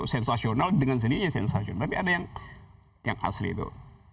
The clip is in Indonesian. sensasional dengan sendiri yang asli itu